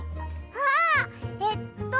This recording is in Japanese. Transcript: ああえっと。